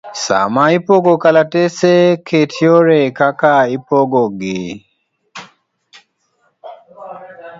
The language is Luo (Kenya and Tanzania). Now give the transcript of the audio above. Sama ipogo kalatese, ket yore kaka ibopoggi.